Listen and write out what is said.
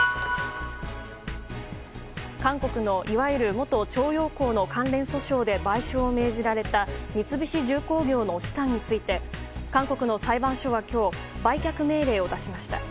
韓国のいわゆる元徴用工の関連訴訟で賠償を命じられた三菱重工業の資産について韓国の裁判所は今日売却命令を出しました。